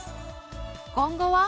今後は？